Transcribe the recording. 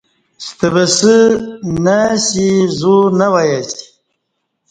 ستہ وسہ نہ اسی زو نہ وای اسی